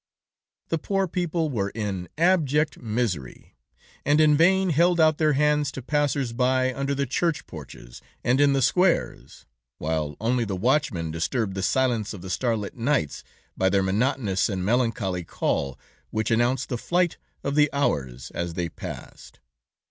] "The poor people were in abject misery, and in vain held out their hands to passers by under the church porches, and in the squares, while only the watchmen disturbed the silence of the starlit nights, by their monotonous and melancholy call, which announced the flight of the hours as they passed.